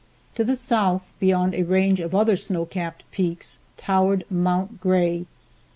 To the South, beyond a range of other snow capped peaks, towered Mount Gray.